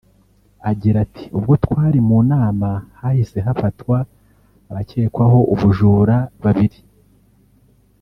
Agira ati “Ubwo twari mu nama hahise hafatwa abakekwaho ubujura babiri